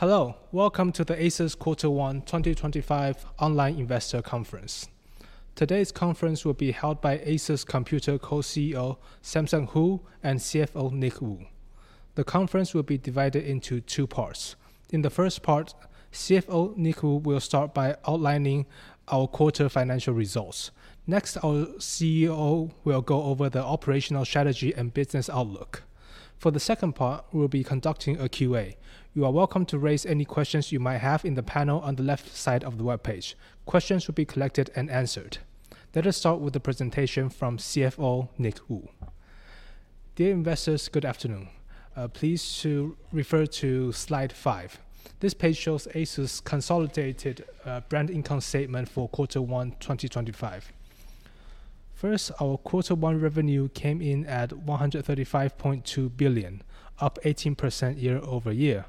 Hello, welcome to the ASUS Quarter One 2025 Online Investor Conference. Today's conference will be held by ASUS Co-CEO Samson Hu and CFO Nick Wu. The conference will be divided into two parts. In the first part, CFO Nick Wu will start by outlining our quarter financial results. Next, our CEO will go over the operational strategy and business outlook. For the second part, we will be conducting a Q&A. You are welcome to raise any questions you might have in the panel on the left side of the web page. Questions will be collected and answered. Let us start with the presentation from CFO Nick Wu. Dear investors, good afternoon. Please refer to slide five. This page shows ASUS' consolidated brand income statement for Quarter One 2025. First, our Quarter One revenue came in at 135.2 billion, up 18% year over year.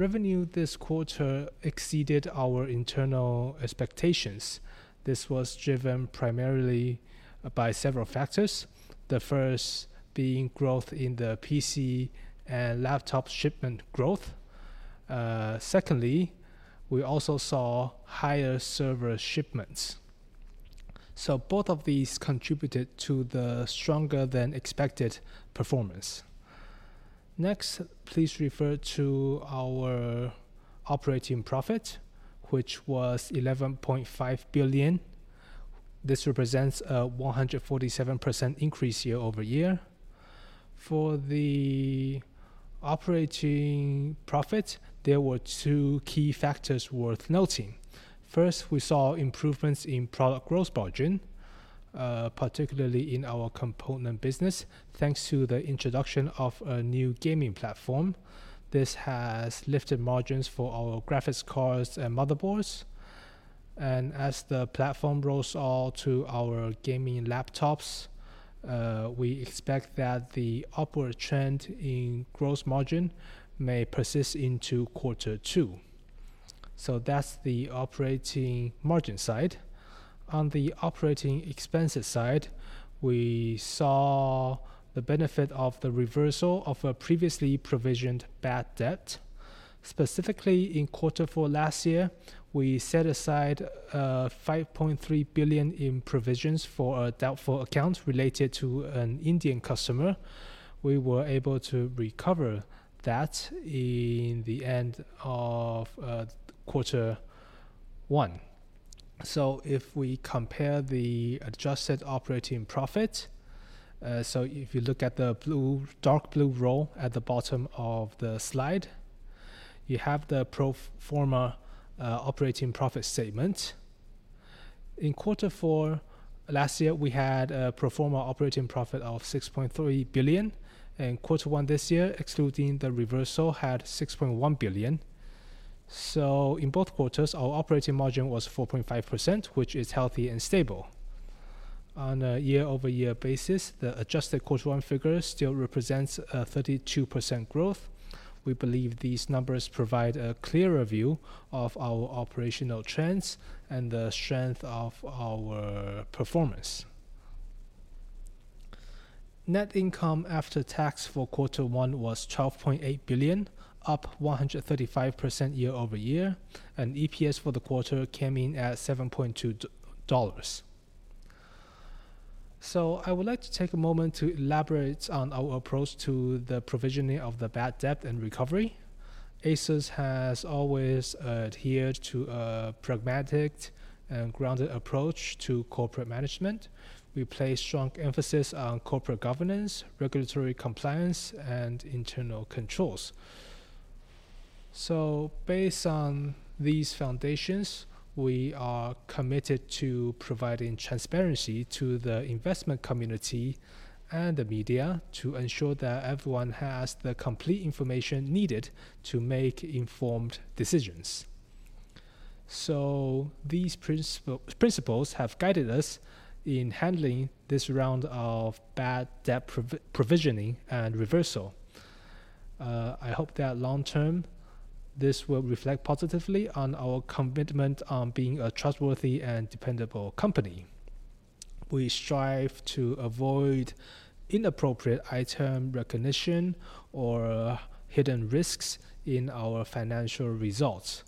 Revenue this quarter exceeded our internal expectations. This was driven primarily by several factors, the first being growth in the PC and laptop shipment growth. Secondly, we also saw higher server shipments. Both of these contributed to the stronger-than-expected performance. Next, please refer to our operating profit, which was 11.5 billion. This represents a 147% increase year over year. For the operating profit, there were two key factors worth noting. First, we saw improvements in product gross margin, particularly in our component business, thanks to the introduction of a new gaming platform. This has lifted margins for our graphics cards and motherboards. As the platform rolls out to our gaming laptops, we expect that the upward trend in gross margin may persist into Quarter Two. That is the operating margin side. On the operating expenses side, we saw the benefit of the reversal of a previously provisioned bad debt. Specifically, in quarter four last year, we set aside 5.3 billion in provisions for a doubtful account related to an Indian customer. We were able to recover that in the end of quarter one. If we compare the adjusted operating profit, if you look at the dark blue row at the bottom of the slide, you have the pro forma operating profit statement. In quarter four last year, we had a pro forma operating profit of 6.3 billion, and quarter one this year, excluding the reversal, had 6.1 billion. In both quarters, our operating margin was 4.5%, which is healthy and stable. On a year-over-year basis, the adjusted quarter one figure still represents a 32% growth. We believe these numbers provide a clearer view of our operational trends and the strength of our performance. Net income after tax for Quarter One was 12.8 billion, up 135% year over year. EPS for the quarter came in at $7.2. I would like to take a moment to elaborate on our approach to the provisioning of the bad debt and recovery. ASUS has always adhered to a pragmatic and grounded approach to corporate management. We place strong emphasis on corporate governance, regulatory compliance, and internal controls. Based on these foundations, we are committed to providing transparency to the investment community and the media to ensure that everyone has the complete information needed to make informed decisions. These principles have guided us in handling this round of bad debt provisioning and reversal. I hope that long-term, this will reflect positively on our commitment on being a trustworthy and dependable company. We strive to avoid inappropriate item recognition or hidden risks in our financial results.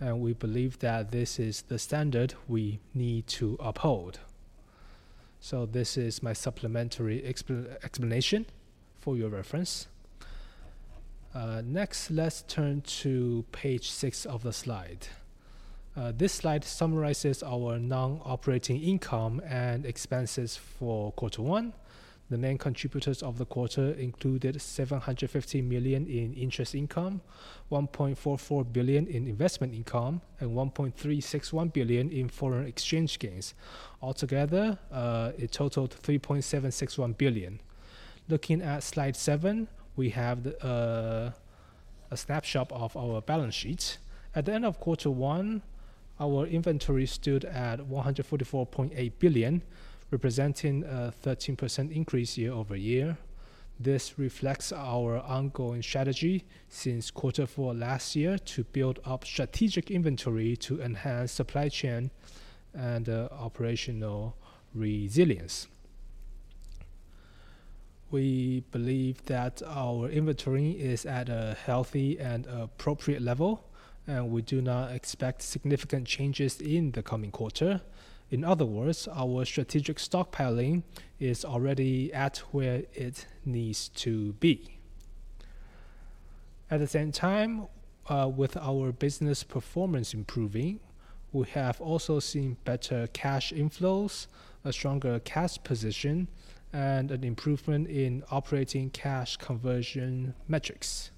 We believe that this is the standard we need to uphold. This is my supplementary explanation for your reference. Next, let's turn to page six of the slide. This slide summarizes our non-operating income and expenses for Quarter One. The main contributors of the quarter included 750 million in interest income, 1.44 billion in investment income, and 1.361 billion in foreign exchange gains. Altogether, it totaled 3.761 billion. Looking at slide seven, we have a snapshot of our balance sheet. At the end of Quarter One, our inventory stood at 144.8 billion, representing a 13% increase year over year. This reflects our ongoing strategy since quarter four last year to build up strategic inventory to enhance supply chain and operational resilience. We believe that our inventory is at a healthy and appropriate level, and we do not expect significant changes in the coming quarter. In other words, our strategic stockpiling is already at where it needs to be. At the same time, with our business performance improving, we have also seen better cash inflows, a stronger cash position, and an improvement in operating cash conversion metrics.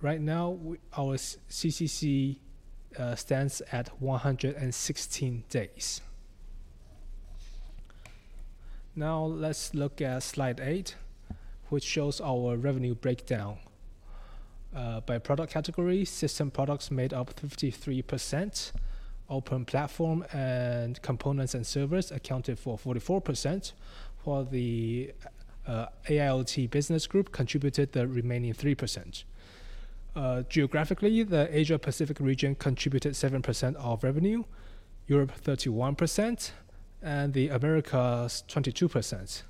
Right now, our CCC stands at 116 days. Now, let's look at slide eight, which shows our revenue breakdown. By product category, system products made up 53%. Open platform and components and servers accounted for 44%. For the AIoT business group, contributed the remaining 3%. Geographically, the Asia-Pacific region contributed 7% of revenue, Europe 31%, and the Americas 22%.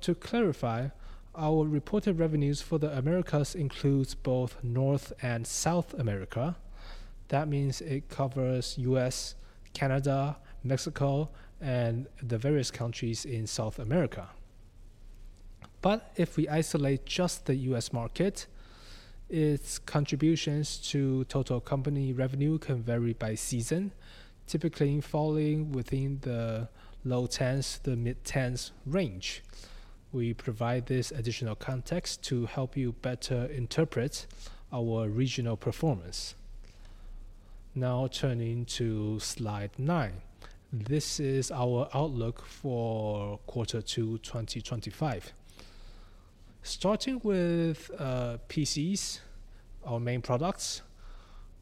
To clarify, our reported revenues for the Americas include both North and South America. That means it covers the U.S., Canada, Mexico, and the various countries in South America. If we isolate just the U.S. market, its contributions to total company revenue can vary by season, typically falling within the low 10s to mid-10s range. We provide this additional context to help you better interpret our regional performance. Now turning to slide nine. This is our outlook for Quarter Two 2025. Starting with PCs, our main products,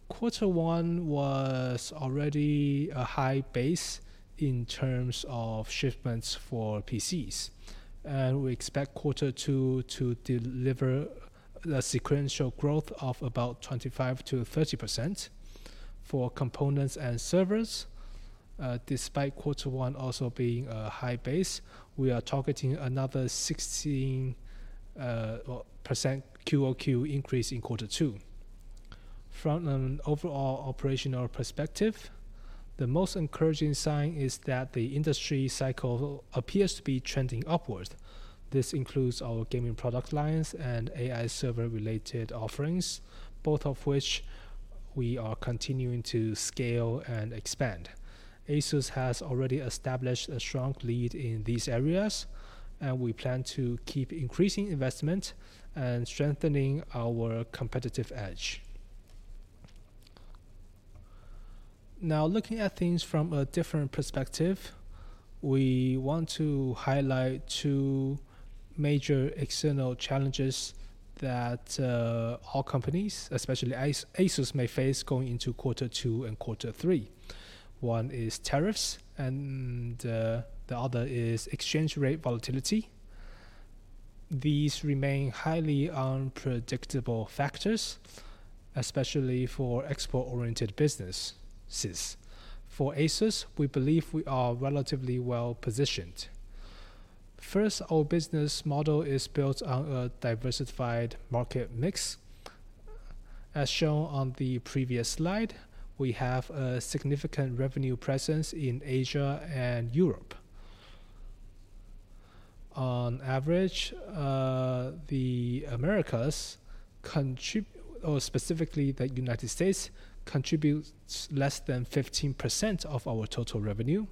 Quarter One was already a high base in terms of shipments for PCs. We expect Quarter Two to deliver a sequential growth of about 25%–30% for components and servers. Despite Quarter One also being a high base, we are targeting another 16% QoQ increase in Quarter Two. From an overall operational perspective, the most encouraging sign is that the industry cycle appears to be trending upward. This includes our gaming product lines and AI server-related offerings, both of which we are continuing to scale and expand. ASUS has already established a strong lead in these areas, and we plan to keep increasing investment and strengthening our competitive edge. Now, looking at things from a different perspective, we want to highlight two major external challenges that our companies, especially ASUS, may face going into Quarter Two and Quarter Three. One is tariffs, and the other is exchange rate volatility. These remain highly unpredictable factors, especially for export-oriented businesses. For ASUS, we believe we are relatively well-positioned. First, our business model is built on a diversified market mix. As shown on the previous slide, we have a significant revenue presence in Asia and Europe. On average, the Americas, or specifically the United States, contribute less than 15% of our total revenue.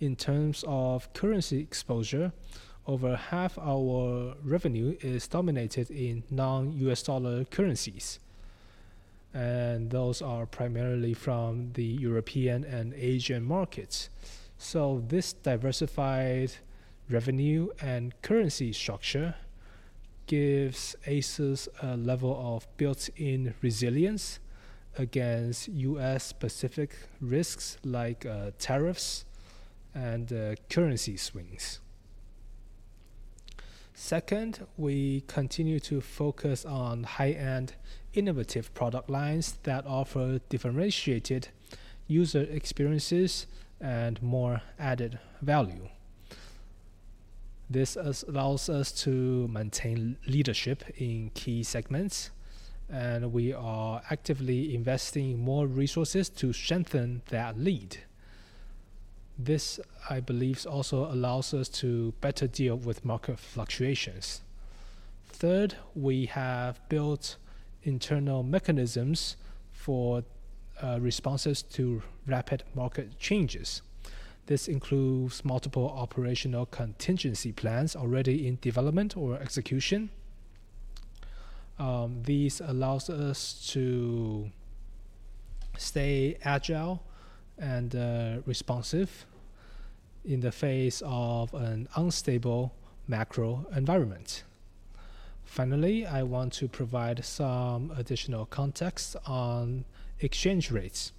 In terms of currency exposure, over half our revenue is dominated in non-US dollar currencies. Those are primarily from the European and Asian markets. This diversified revenue and currency structure gives ASUS a level of built-in resilience against US-specific risks like tariffs and currency swings. Second, we continue to focus on high-end innovative product lines that offer differentiated user experiences and more added value. This allows us to maintain leadership in key segments, and we are actively investing more resources to strengthen that lead. This, I believe, also allows us to better deal with market fluctuations. Third, we have built internal mechanisms for responses to rapid market changes. This includes multiple operational contingency plans already in development or execution. These allow us to stay agile and responsive in the face of an unstable macro environment. Finally, I want to provide some additional context on exchange rates,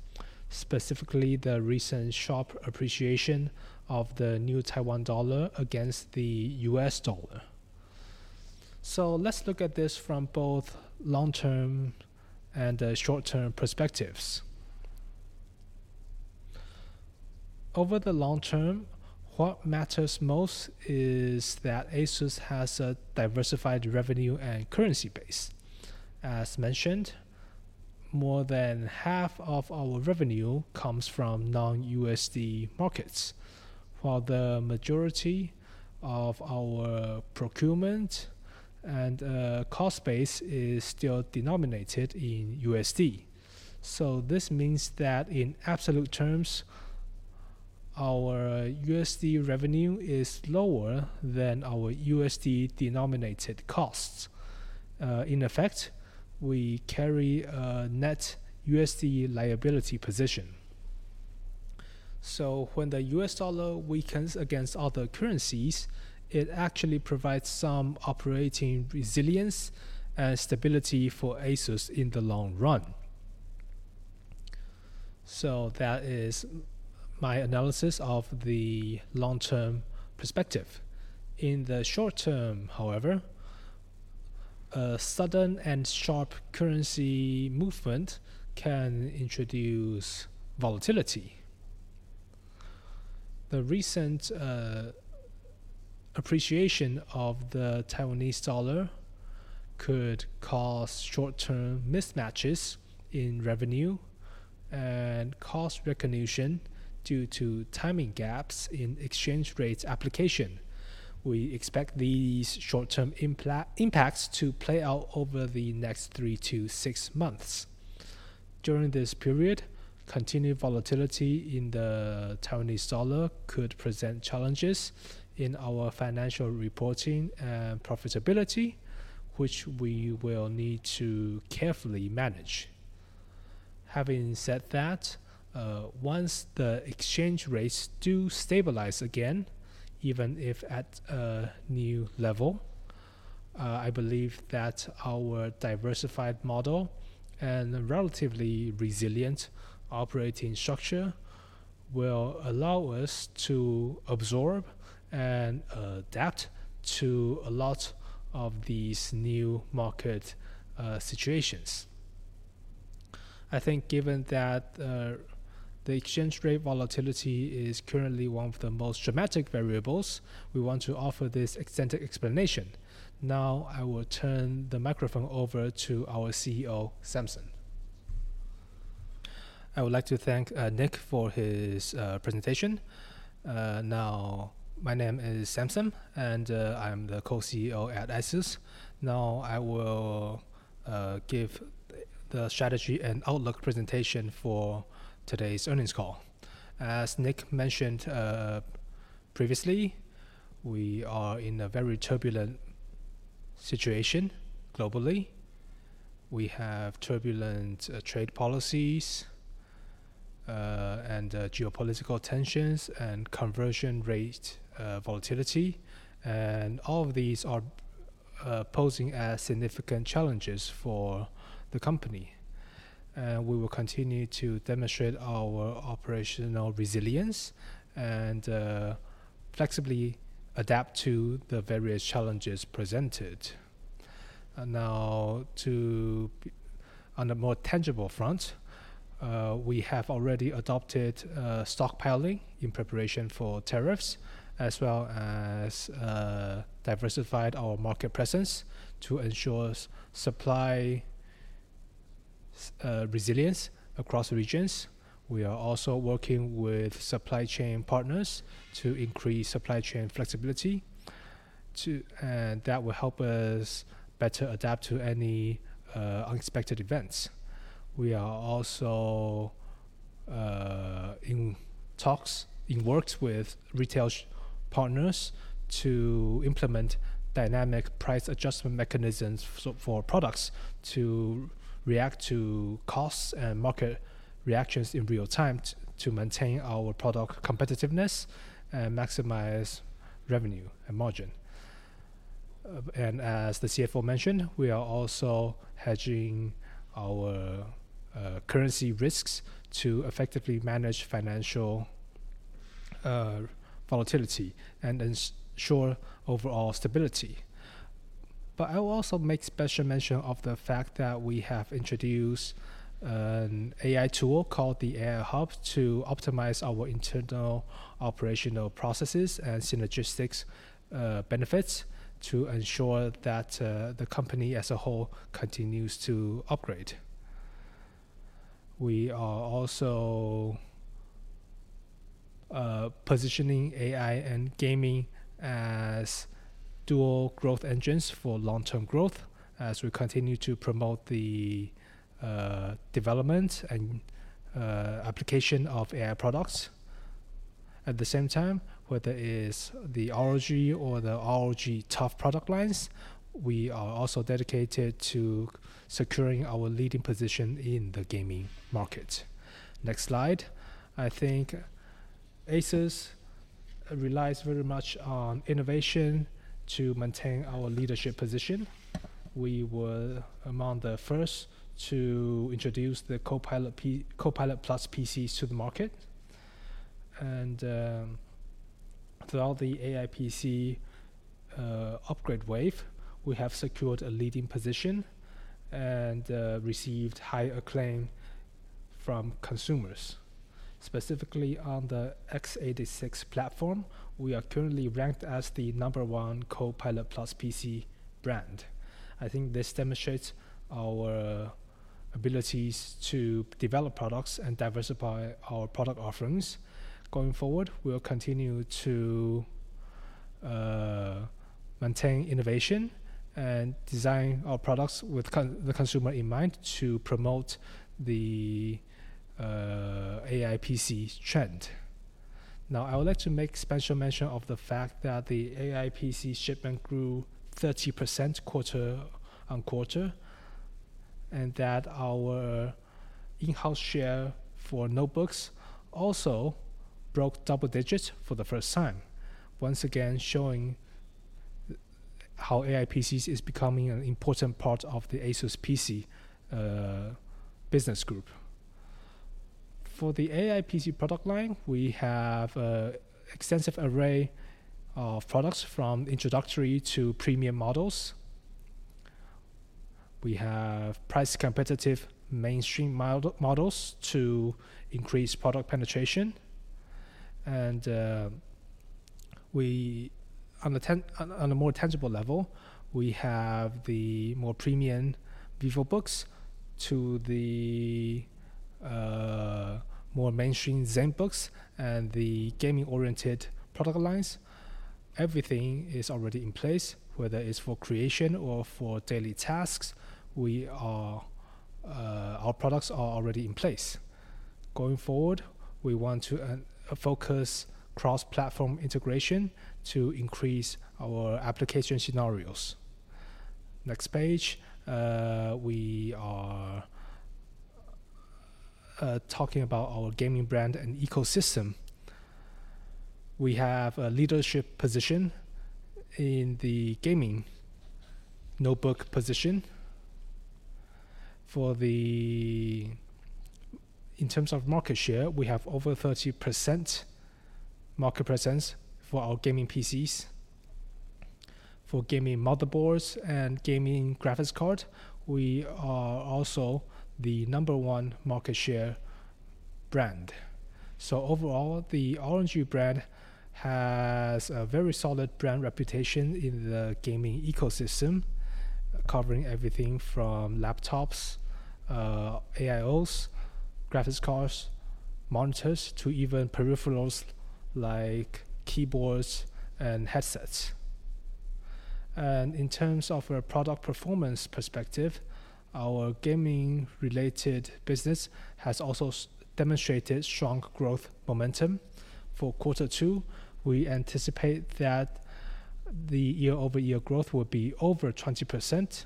specifically the recent sharp appreciation of the New Taiwan dollar against the US dollar. Let's look at this from both long-term and short-term perspectives. Over the long term, what matters most is that ASUS has a diversified revenue and currency base. As mentioned, more than half of our revenue comes from non-USD markets, while the majority of our procurement and cost base is still denominated in USD. This means that in absolute terms, our USD revenue is lower than our USD-denominated costs. In effect, we carry a net USD liability position. When the US dollar weakens against other currencies, it actually provides some operating resilience and stability for ASUS in the long run. That is my analysis of the long-term perspective. In the short term, however, a sudden and sharp currency movement can introduce volatility. The recent appreciation of the Taiwanese dollar could cause short-term mismatches in revenue and cost recognition due to timing gaps in exchange rate application. We expect these short-term impacts to play out over the next three to six months. During this period, continued volatility in the Taiwanese dollar could present challenges in our financial reporting and profitability, which we will need to carefully manage. Having said that, once the exchange rates do stabilize again, even if at a new level, I believe that our diversified model and relatively resilient operating structure will allow us to absorb and adapt to a lot of these new market situations. I think given that the exchange rate volatility is currently one of the most dramatic variables, we want to offer this extended explanation. Now, I will turn the microphone over to our CEO, Samson. I would like to thank Nick for his presentation. Now, my name is Samson, and I'm the Co-CEO at ASUS. Now, I will give the strategy and outlook presentation for today's earnings call. As Nick mentioned previously, we are in a very turbulent situation globally. We have turbulent trade policies and geopolitical tensions and conversion rate volatility. All of these are posing significant challenges for the company. We will continue to demonstrate our operational resilience and flexibly adapt to the various challenges presented. Now, on a more tangible front, we have already adopted stockpiling in preparation for tariffs, as well as diversified our market presence to ensure supply resilience across regions. We are also working with supply chain partners to increase supply chain flexibility. That will help us better adapt to any unexpected events. We are also in talks, in works with retail partners to implement dynamic price adjustment mechanisms for products to react to costs and market reactions in real time to maintain our product competitiveness and maximize revenue and margin. As the CFO mentioned, we are also hedging our currency risks to effectively manage financial volatility and ensure overall stability. I will also make special mention of the fact that we have introduced an AI tool called the AI Hub to optimize our internal operational processes and synergistic benefits to ensure that the company as a whole continues to upgrade. We are also positioning AI and gaming as dual growth engines for long-term growth as we continue to promote the development and application of AI products. At the same time, whether it is the ROG or the ROG Tough product lines, we are also dedicated to securing our leading position in the gaming market. Next slide. I think ASUS relies very much on innovation to maintain our leadership position. We were among the first to introduce the Copilot Plus PCs to the market. Throughout the AI PC upgrade wave, we have secured a leading position and received high acclaim from consumers. Specifically on the x86 platform, we are currently ranked as the number one Copilot Plus PC brand. I think this demonstrates our abilities to develop products and diversify our product offerings. Going forward, we will continue to maintain innovation and design our products with the consumer in mind to promote the AI PC trend. Now, I would like to make special mention of the fact that the AI PC shipment grew 30% quarter on quarter, and that our in-house share for notebooks also broke double digits for the first time, once again showing how AI PCs is becoming an important part of the ASUS PC business group. For the AI PC product line, we have an extensive array of products from introductory to premium models. We have price-competitive mainstream models to increase product penetration. On a more tangible level, we have the more premium VivoBooks to the more mainstream ZenBooks and the gaming-oriented product lines. Everything is already in place, whether it's for creation or for daily tasks. Our products are already in place. Going forward, we want to focus cross-platform integration to increase our application scenarios. Next page, we are talking about our gaming brand and ecosystem. We have a leadership position in the gaming notebook position. In terms of market share, we have over 30% market presence for our gaming PCs. For gaming motherboards and gaming graphics cards, we are also the number one market share brand. Overall, the ROG brand has a very solid brand reputation in the gaming ecosystem, covering everything from laptops, AIOs, graphics cards, monitors, to even peripherals like keyboards and headsets. In terms of a product performance perspective, our gaming-related business has also demonstrated strong growth momentum. For quarter two, we anticipate that the year-over-year growth will be over 20%.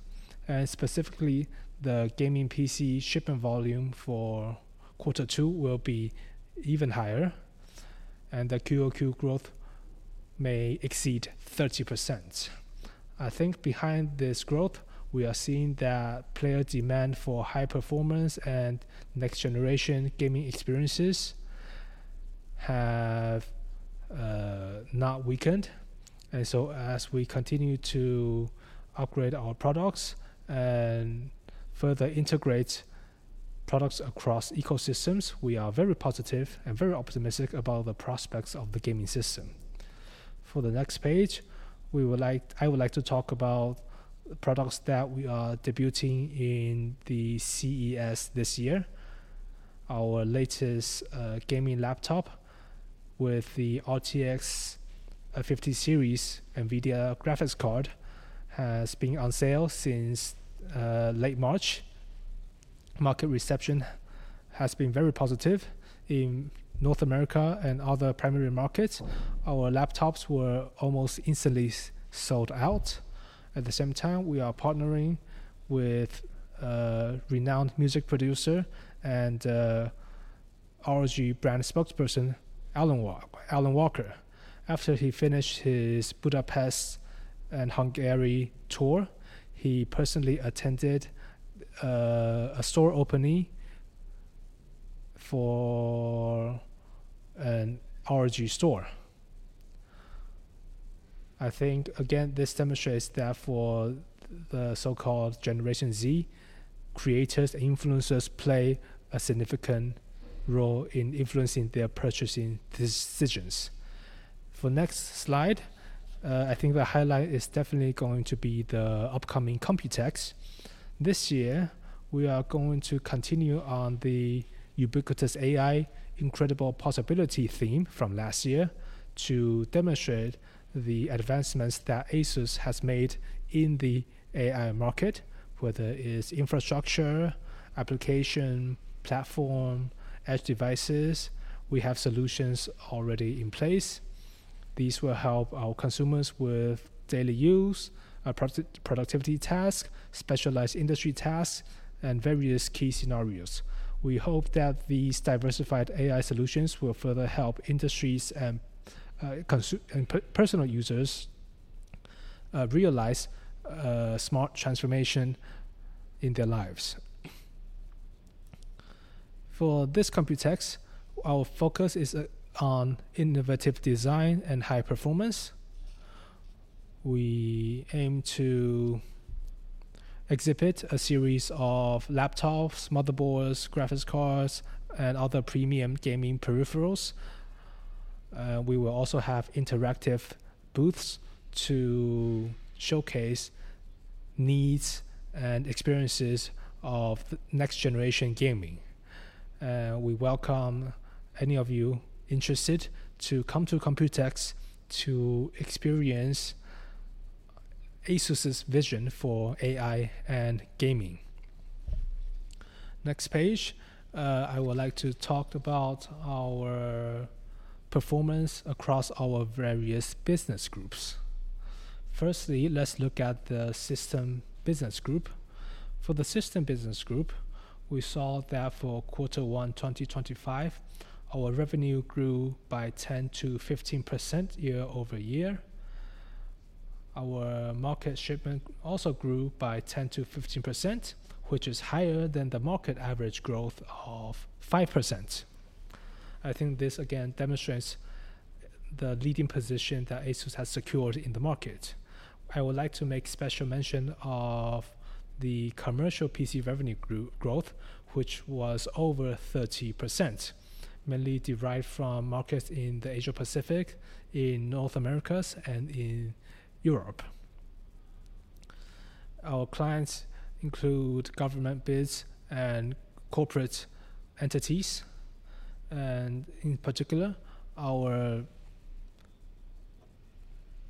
Specifically, the gaming PC shipment volume for quarter two will be even higher. The QOQ growth may exceed 30%. I think behind this growth, we are seeing that player demand for high performance and next-generation gaming experiences have not weakened. As we continue to upgrade our products and further integrate products across ecosystems, we are very positive and very optimistic about the prospects of the gaming system. For the next page, I would like to talk about products that we are debuting in the CES this year. Our latest gaming laptop with the RTX 50 series NVIDIA graphics card has been on sale since late March. Market reception has been very positive. In North America and other primary markets, our laptops were almost instantly sold out. At the same time, we are partnering with a renowned music producer and ROG brand spokesperson, Alan Walker. After he finished his Budapest and Hungary tour, he personally attended a store opening for an ROG store. I think, again, this demonstrates that for the so-called Generation Z, creators and influencers play a significant role in influencing their purchasing decisions. For the next slide, I think the highlight is definitely going to be the upcoming Computex. This year, we are going to continue on the ubiquitous AI incredible possibility theme from last year to demonstrate the advancements that ASUS has made in the AI market, whether it is infrastructure, application platform, edge devices. We have solutions already in place. These will help our consumers with daily use, productivity tasks, specialized industry tasks, and various key scenarios. We hope that these diversified AI solutions will further help industries and personal users realize smart transformation in their lives. For this Computex, our focus is on innovative design and high performance. We aim to exhibit a series of laptops, motherboards, graphics cards, and other premium gaming peripherals. We will also have interactive booths to showcase needs and experiences of next-generation gaming. We welcome any of you interested to come to Computex to experience ASUS's vision for AI and gaming. Next page, I would like to talk about our performance across our various business groups. Firstly, let's look at the system business group. For the system business group, we saw that for quarter one 2025, our revenue grew by 10%–15%year over year. Our market shipment also grew by 10%–15%, which is higher than the market average growth of 5%. I think this, again, demonstrates the leading position that ASUS has secured in the market. I would like to make special mention of the commercial PC revenue growth, which was over 30%, mainly derived from markets in the Asia-Pacific, in North America, and in Europe. Our clients include government bids and corporate entities. In particular, our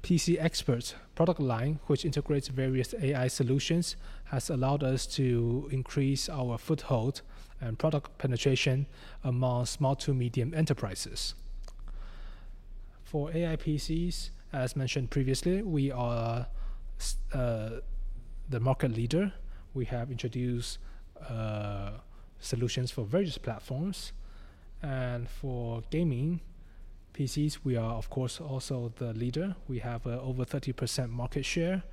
PC expert product line, which integrates various AI solutions, has allowed us to increase our foothold and product penetration among small to medium enterprises. For AI PCs, as mentioned previously, we are the market leader. We have introduced solutions for various platforms. For gaming PCs, we are, of course, also the leader. We have over 30% market share.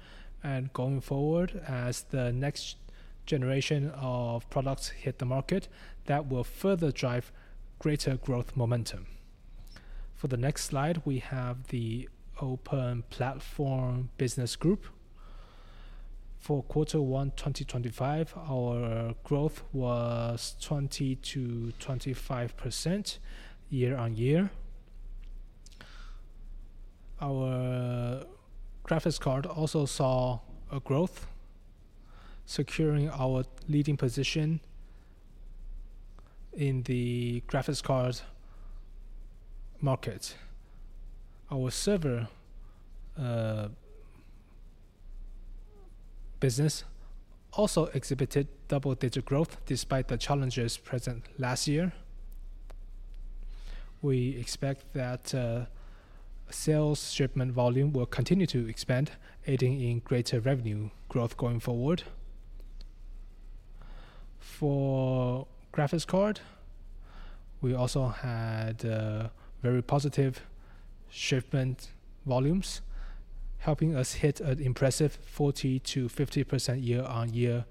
Going forward, as the next generation of products hit the market, that will further drive greater growth momentum. For the next slide, we have the open platform business group. For quarter one 2025, our growth was 20%–25% year on year. Our graphics card also saw a growth, securing our leading position in the graphics card market. Our server business also exhibited double-digit growth despite the challenges present last year. We expect that sales shipment volume will continue to expand, aiding in greater revenue growth going forward. For graphics card, we also had very positive shipment volumes, helping us hit an impressive 40%–50% year-on-year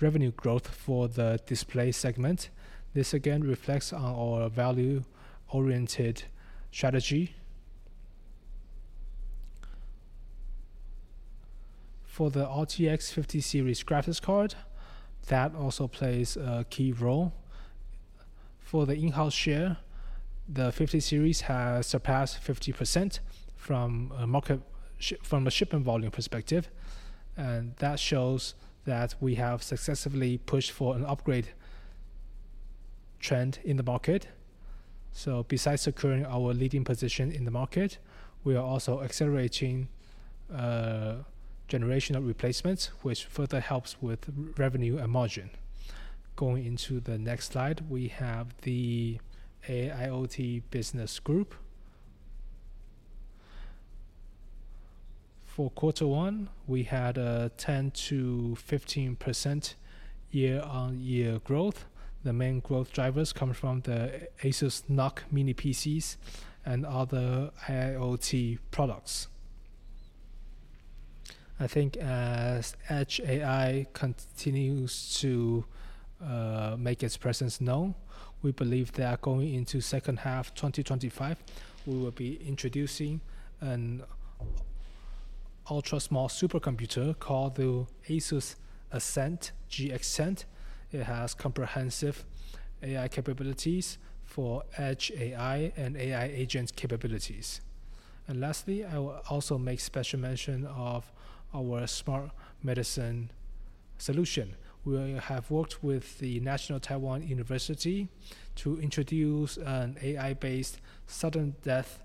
revenue growth for the display segment. This, again, reflects on our value-oriented strategy. For the RTX 50 series graphics card, that also plays a key role. For the in-house share, the 50 series has surpassed 50% from a shipment volume perspective. That shows that we have successfully pushed for an upgrade trend in the market. Besides securing our leading position in the market, we are also accelerating generational replacements, which further helps with revenue and margin. Going into the next slide, we have the AIoT business group. For quarter one, we had a 10%–15% year-on-year growth. The main growth drivers come from the ASUS NUC mini PCs and other AIoT products. I think as edge AI continues to make its presence known, we believe that going into the second half of 2025, we will be introducing an ultra-small supercomputer called the ASUS Ascend GX10. It has comprehensive AI capabilities for edge AI and AI agent capabilities. Lastly, I will also make special mention of our smart medicine solution. We have worked with National Taiwan University to introduce an AI-based sudden death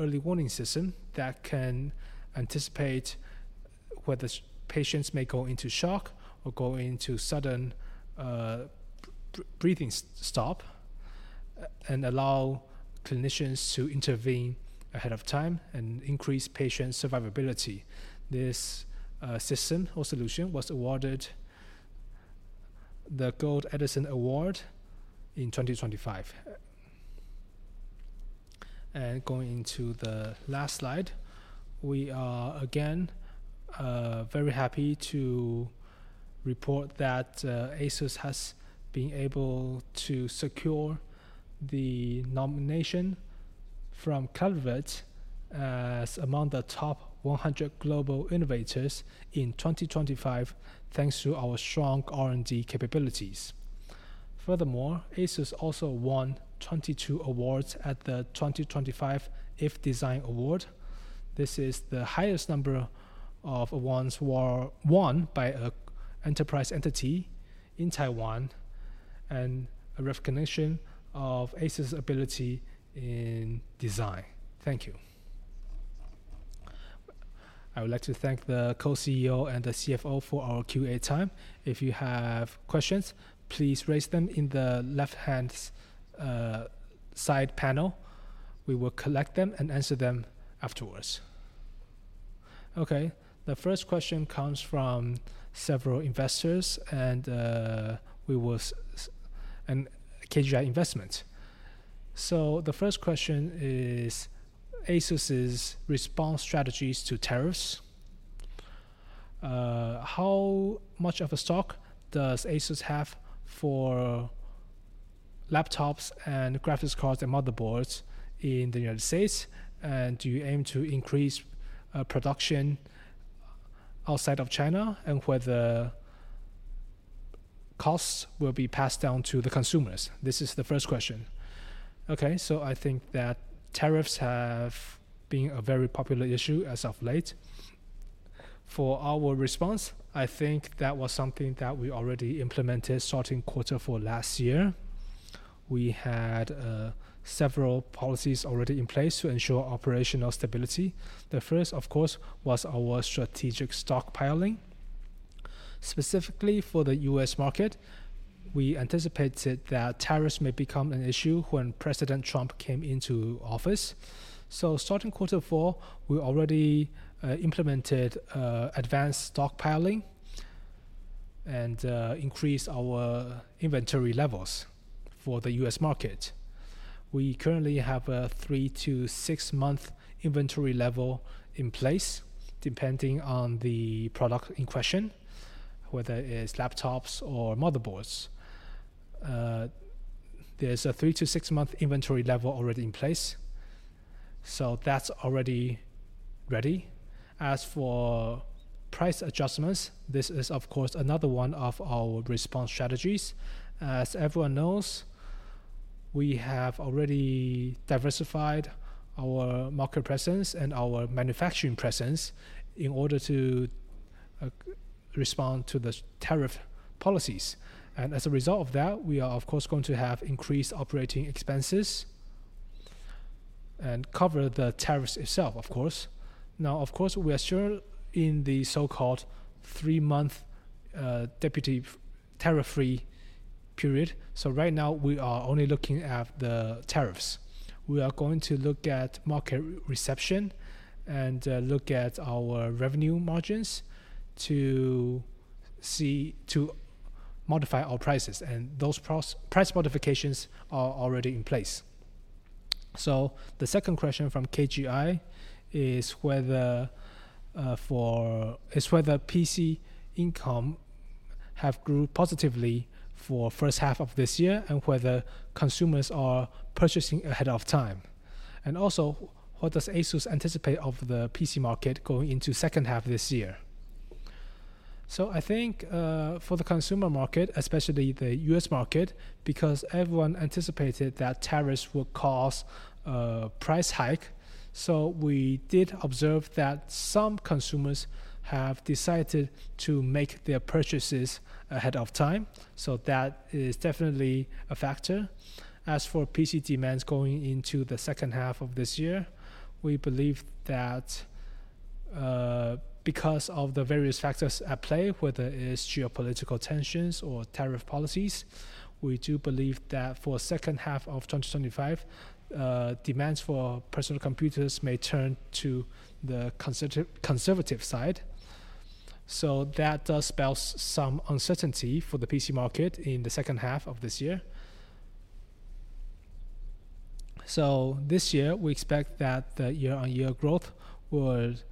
early warning system that can anticipate whether patients may go into shock or go into sudden breathing stop and allow clinicians to intervene ahead of time and increase patient survivability. This system or solution was awarded the Gold Edison Award in 2025. Going into the last slide, we are again very happy to report that ASUS has been able to secure the nomination from Calvert as among the top 100 global innovators in 2025, thanks to our strong R&D capabilities. Furthermore, ASUS also won 22 awards at the 2025 IF Design Award. This is the highest number of awards won by an enterprise entity in Taiwan and a recognition of ASUS's ability in design. Thank you. I would like to thank the Co-CEO and the CFO for our Q&A time. If you have questions, please raise them in the left-hand side panel. We will collect them and answer them afterwards. Okay. The first question comes from several investors and KGI Investment. The first question is ASUS's response strategies to tariffs. How much of a stock does ASUS have for laptops and graphics cards and motherboards in the United States? Do you aim to increase production outside of China and whether costs will be passed down to the consumers? This is the first question. Okay. I think that tariffs have been a very popular issue as of late. For our response, I think that was something that we already implemented starting quarter four last year. We had several policies already in place to ensure operational stability. The first, of course, was our strategic stockpiling. Specifically for the US market, we anticipated that tariffs may become an issue when President Trump came into office. Starting quarter four, we already implemented advanced stockpiling and increased our inventory levels for the US market. We currently have a three- to six-month inventory level in place, depending on the product in question, whether it is laptops or motherboards. There is a three- to six-month inventory level already in place. That is already ready. As for price adjustments, this is, of course, another one of our response strategies. As everyone knows, we have already diversified our market presence and our manufacturing presence in order to respond to the tariff policies. As a result of that, we are, of course, going to have increased operating expenses and cover the tariffs itself, of course. Now, of course, we are still in the so-called three-month deputy tariff-free period. Right now, we are only looking at the tariffs. We are going to look at market reception and look at our revenue margins to modify our prices. Those price modifications are already in place. The second question from KGI is whether PC income has grown positively for the first half of this year and whether consumers are purchasing ahead of time. What does ASUS anticipate of the PC market going into the second half of this year? I think for the consumer market, especially the U.S. market, because everyone anticipated that tariffs would cause a price hike, we did observe that some consumers have decided to make their purchases ahead of time. That is definitely a factor. As for PC demands going into the second half of this year, we believe that because of the various factors at play, whether it is geopolitical tensions or tariff policies, we do believe that for the second half of 2025, demands for personal computers may turn to the conservative side. That does spell some uncertainty for the PC market in the second half of this year. This year, we expect that the year-on-year growth would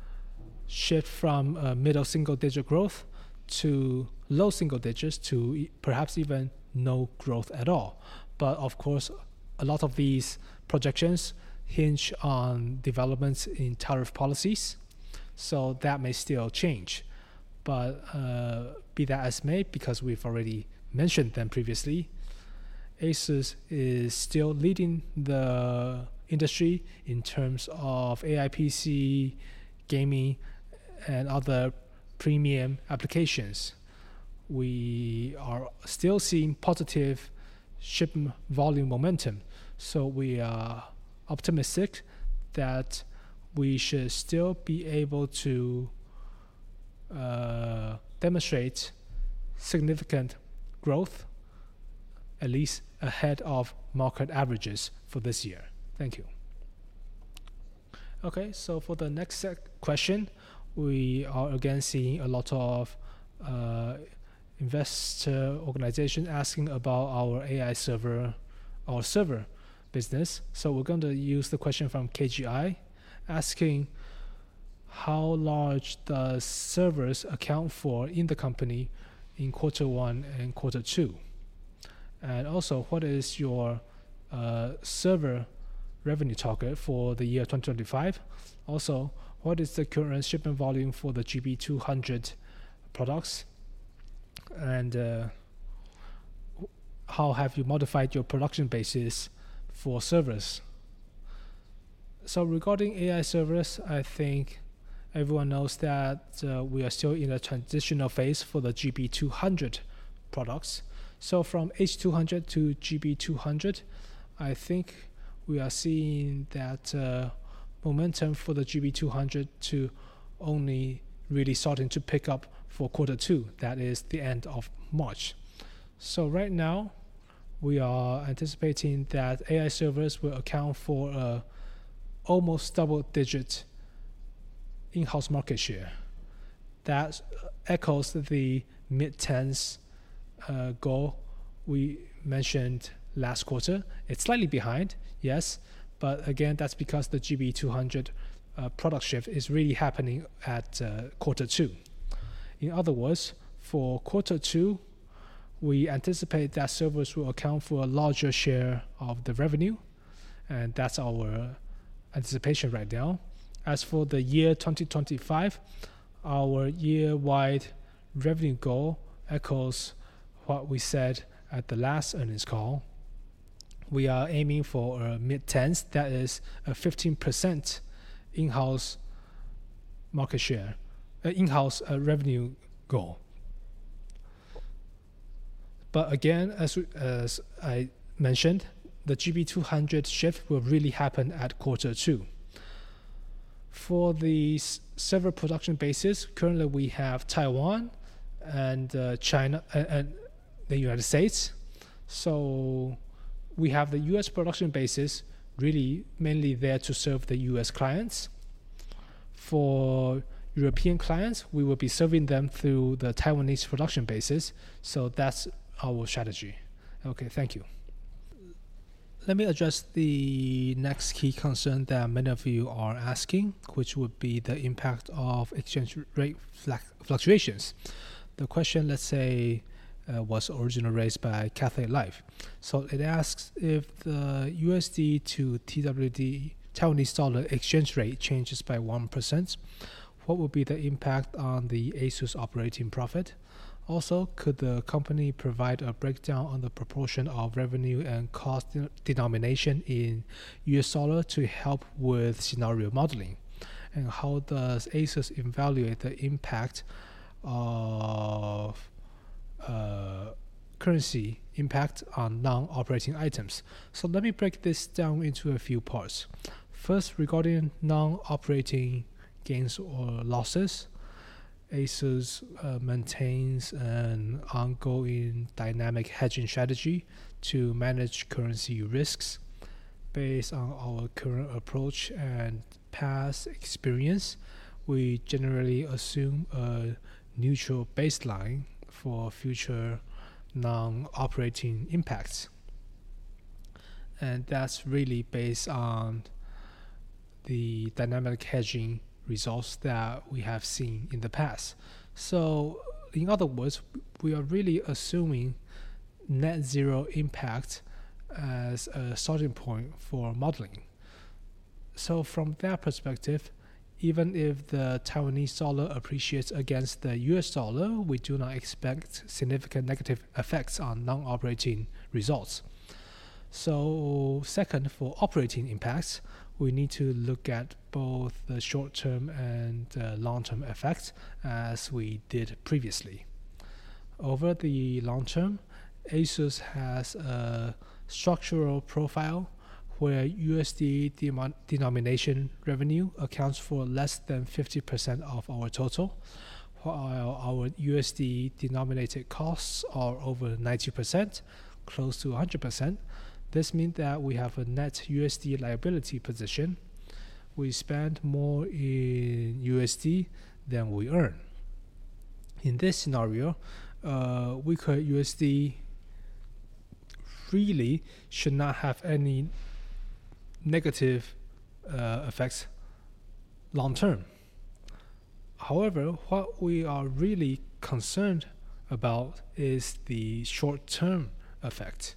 shift from middle single-digit growth to low single digits to perhaps even no growth at all. Of course, a lot of these projections hinge on developments in tariff policies. That may still change. Be that as it may, because we have already mentioned them previously, ASUS is still leading the industry in terms of AI PC, gaming, and other premium applications. We are still seeing positive shipment volume momentum. We are optimistic that we should still be able to demonstrate significant growth, at least ahead of market averages for this year. Thank you. Okay. For the next question, we are again seeing a lot of investor organizations asking about our AI server or server business. We're going to use the question from KGI asking how large the servers account for in the company in quarter one and quarter two. Also, what is your server revenue target for the year 2025? Also, what is the current shipment volume for the GB200 products? How have you modified your production basis for servers? Regarding AI servers, I think everyone knows that we are still in a transitional phase for the GB200 products. From H200 to GB200, I think we are seeing that momentum for the GB200 to only really starting to pick up for quarter two. That is the end of March. Right now, we are anticipating that AI servers will account for almost double-digit in-house market share. That echoes the mid-tens goal we mentioned last quarter. It's slightly behind, yes. Again, that's because the GB200 product shift is really happening at quarter two. In other words, for quarter two, we anticipate that servers will account for a larger share of the revenue. That's our anticipation right now. As for the year 2025, our year-wide revenue goal echoes what we said at the last earnings call. We are aiming for a mid-tens. That is a 15% in-house market share, in-house revenue goal. Again, as I mentioned, the GB200 shift will really happen at quarter two. For the server production basis, currently we have Taiwan and the United States. We have the US production basis really mainly there to serve the US clients. For European clients, we will be serving them through the Taiwanese production basis. That's our strategy. Okay. Thank you. Let me address the next key concern that many of you are asking, which would be the impact of exchange rate fluctuations. The question, let's say, was originally raised by Cathay Life. It asks if the USD to TWD, Taiwanese dollar exchange rate changes by 1%, what would be the impact on the ASUS operating profit? Also, could the company provide a breakdown on the proportion of revenue and cost denomination in US dollar to help with scenario modeling? How does ASUS evaluate the impact of currency impact on non-operating items? Let me break this down into a few parts. First, regarding non-operating gains or losses, ASUS maintains an ongoing dynamic hedging strategy to manage currency risks. Based on our current approach and past experience, we generally assume a neutral baseline for future non-operating impacts. That is really based on the dynamic hedging results that we have seen in the past. In other words, we are really assuming net zero impact as a starting point for modeling. From that perspective, even if the Taiwanese dollar appreciates against the US dollar, we do not expect significant negative effects on non-operating results. Second, for operating impacts, we need to look at both the short-term and long-term effects as we did previously. Over the long term, ASUS has a structural profile where USD denomination revenue accounts for less than 50% of our total, while our USD denominated costs are over 90%, close to 100%. This means that we have a net USD liability position. We spend more in USD than we earn. In this scenario, we could USD freely should not have any negative effects long term. However, what we are really concerned about is the short-term effect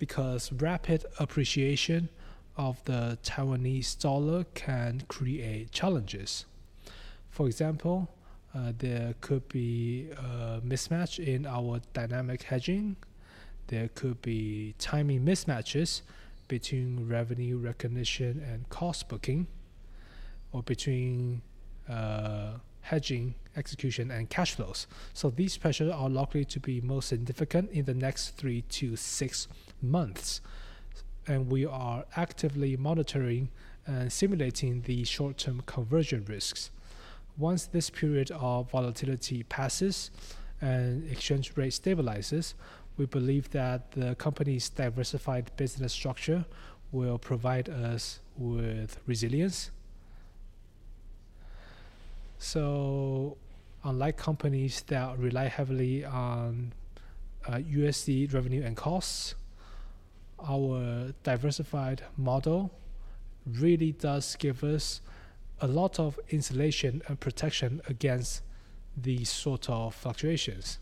because rapid appreciation of the Taiwanese dollar can create challenges. For example, there could be a mismatch in our dynamic hedging. There could be timing mismatches between revenue recognition and cost booking or between hedging execution and cash flows. These pressures are likely to be most significant in the next three to six months. We are actively monitoring and simulating the short-term conversion risks. Once this period of volatility passes and the exchange rate stabilizes, we believe that the company's diversified business structure will provide us with resilience. Unlike companies that rely heavily on USD revenue and costs, our diversified model really does give us a lot of insulation and protection against these sorts of fluctuations.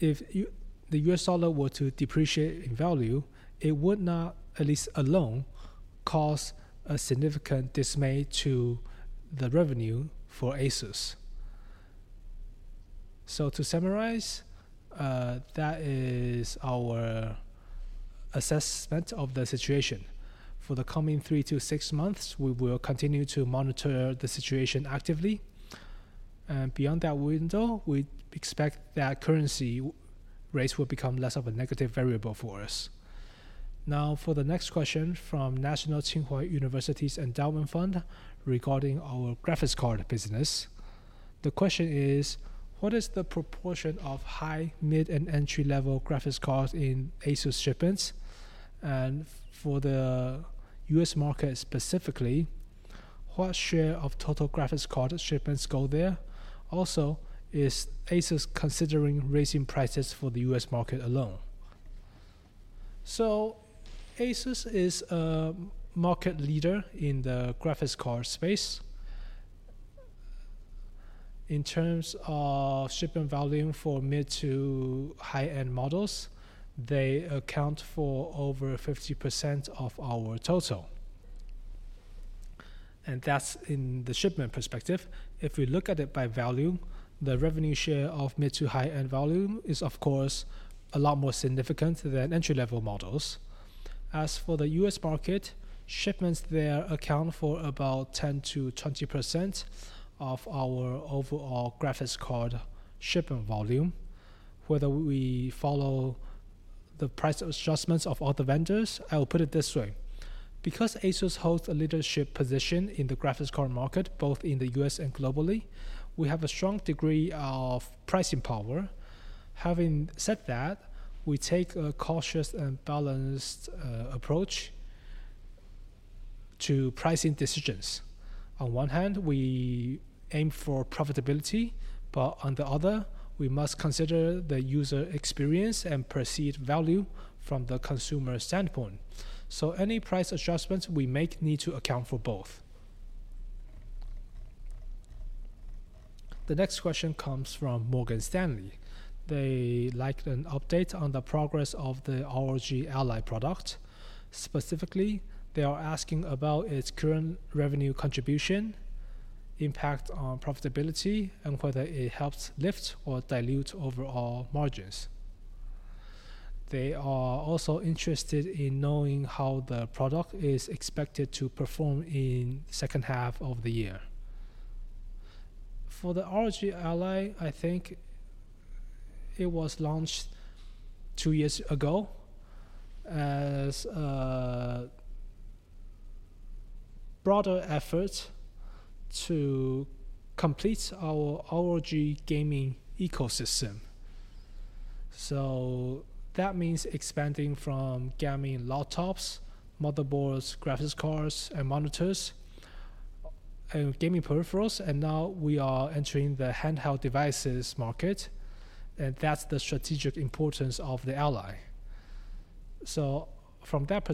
If the US dollar were to depreciate in value, it would not, at least alone, cause a significant dismay to the revenue for ASUS. To summarize, that is our assessment of the situation. For the coming three to six months, we will continue to monitor the situation actively. Beyond that window, we expect that currency rates will become less of a negative variable for us. Now, for the next question from National Tsinghua University's Endowment Fund regarding our graphics card business, the question is, what is the proportion of high, mid, and entry-level graphics cards in ASUS shipments? For the US market specifically, what share of total graphics card shipments go there? Also, is ASUS considering raising prices for the US market alone? ASUS is a market leader in the graphics card space. In terms of shipment volume for mid to high-end models, they account for over 50% of our total. That is in the shipment perspective. If we look at it by value, the revenue share of mid to high-end volume is, of course, a lot more significant than entry-level models. As for the U.S. market, shipments there account for about 10-20% of our overall graphics card shipment volume. Whether we follow the price adjustments of other vendors, I will put it this way. Because ASUS holds a leadership position in the graphics card market, both in the U.S. and globally, we have a strong degree of pricing power. Having said that, we take a cautious and balanced approach to pricing decisions. On one hand, we aim for profitability, but on the other, we must consider the user experience and perceived value from the consumer standpoint. Any price adjustments we make need to account for both. The next question comes from Morgan Stanley. They would like an update on the progress of the ROG Ally product. Specifically, they are asking about its current revenue contribution, impact on profitability, and whether it helps lift or dilute overall margins. They are also interested in knowing how the product is expected to perform in the second half of the year. For the ROG Ally, I think it was launched two years ago as a broader effort to complete our ROG gaming ecosystem. That means expanding from gaming laptops, motherboards, graphics cards, monitors, and gaming peripherals. Now we are entering the handheld devices market. That is the strategic importance of the Ally. From that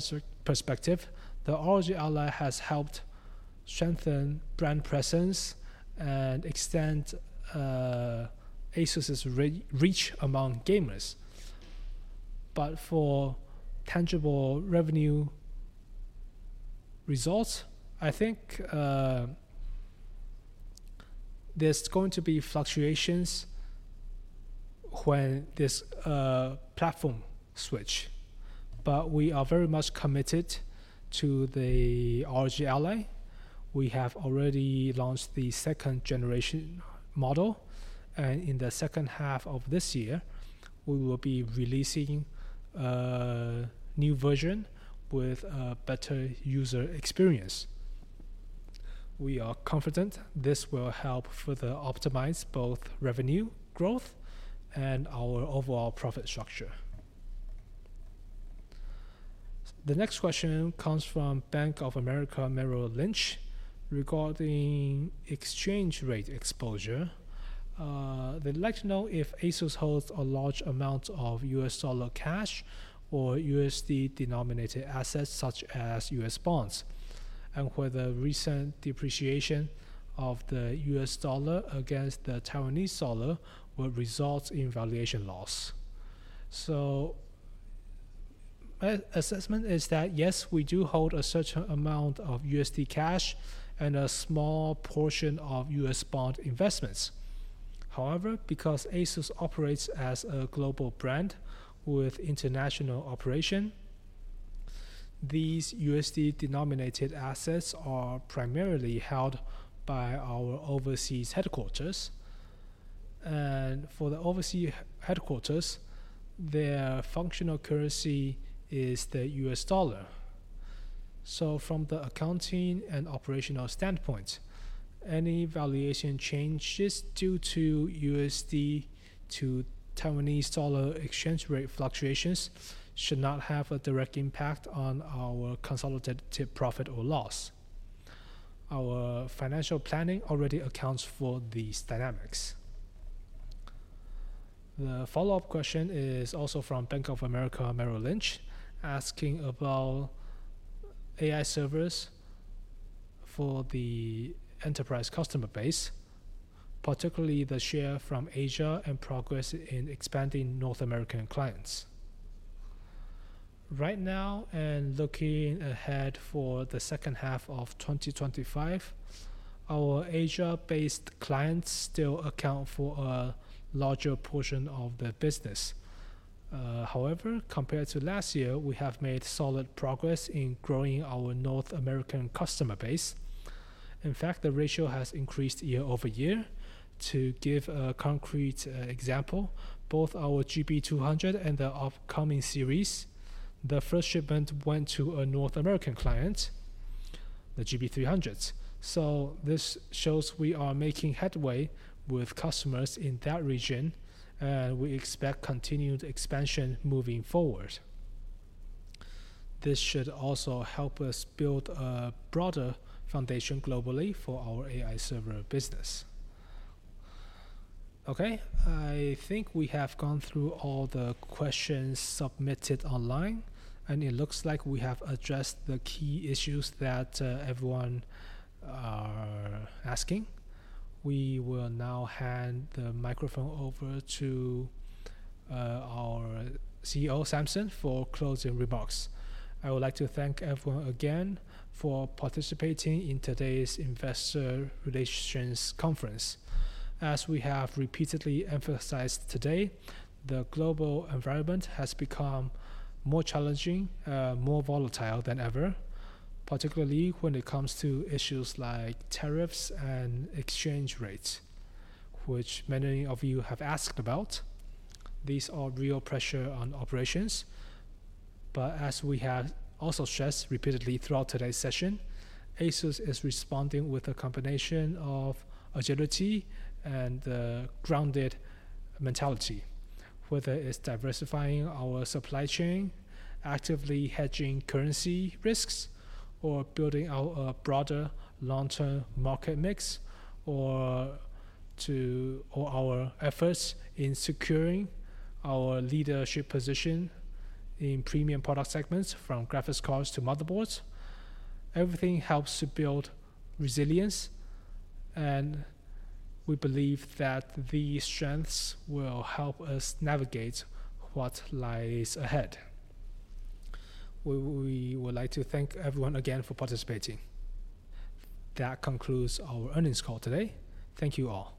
perspective, the ROG Ally has helped strengthen brand presence and extend ASUS's reach among gamers. For tangible revenue results, I think there's going to be fluctuations when this platform switches. We are very much committed to the ROG Ally. We have already launched the second-generation model. In the second half of this year, we will be releasing a new version with a better user experience. We are confident this will help further optimize both revenue growth and our overall profit structure. The next question comes from Bank of America Merrill Lynch regarding exchange rate exposure. They'd like to know if ASUS holds a large amount of US dollar cash or USD denominated assets such as US bonds and whether recent depreciation of the US dollar against the New Taiwan dollar will result in valuation loss. My assessment is that, yes, we do hold a certain amount of USD cash and a small portion of US bond investments. However, because ASUS operates as a global brand with international operation, these USD denominated assets are primarily held by our overseas headquarters. For the overseas headquarters, their functional currency is the US dollar. From the accounting and operational standpoint, any valuation changes due to USD to Taiwanese dollar exchange rate fluctuations should not have a direct impact on our consolidated profit or loss. Our financial planning already accounts for these dynamics. The follow-up question is also from Bank of America Merrill Lynch asking about AI servers for the enterprise customer base, particularly the share from Asia and progress in expanding North American clients. Right now, and looking ahead for the second half of 2025, our Asia-based clients still account for a larger portion of the business. However, compared to last year, we have made solid progress in growing our North American customer base. In fact, the ratio has increased year over year. To give a concrete example, both our GB200 and the upcoming series, the first shipment went to a North American client, the GB300. This shows we are making headway with customers in that region, and we expect continued expansion moving forward. This should also help us build a broader foundation globally for our AI server business. Okay. I think we have gone through all the questions submitted online, and it looks like we have addressed the key issues that everyone is asking. We will now hand the microphone over to our CEO, Samson Hu, for closing remarks. I would like to thank everyone again for participating in today's investor relations conference. As we have repeatedly emphasized today, the global environment has become more challenging, more volatile than ever, particularly when it comes to issues like tariffs and exchange rates, which many of you have asked about. These are real pressures on operations. As we have also stressed repeatedly throughout today's session, ASUS is responding with a combination of agility and a grounded mentality, whether it's diversifying our supply chain, actively hedging currency risks, building a broader long-term market mix, or our efforts in securing our leadership position in premium product segments from graphics cards to motherboards. Everything helps to build resilience, and we believe that these strengths will help us navigate what lies ahead. We would like to thank everyone again for participating. That concludes our earnings call today. Thank you all.